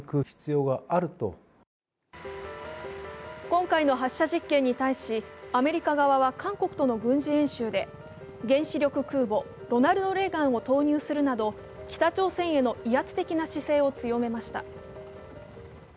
今回の発射実験に対しアメリカ側は韓国との軍事演習で原子力空母「ロナルド・レーガン」を投入するなど北朝鮮への威圧的な姿勢を強めました。